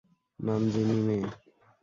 নাম জিনি মে।